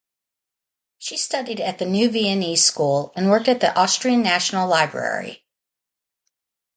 She studied at the New Viennese School and worked at the Austrian National Library.